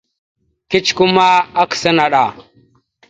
Kecikwe ma, akǝsa naɗ a.